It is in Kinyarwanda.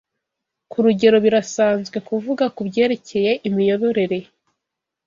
Kurugero birasanzwe kuvuga kubyerekeye imiyoborere